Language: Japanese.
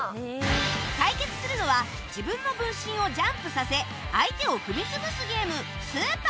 対決するのは自分の分身をジャンプさせ相手を踏み潰すゲーム ＳｕｐｅｒＳｔｏｍｐ